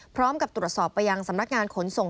พร้อมกับตรวจสอบไปยังสำนักงานขนส่ง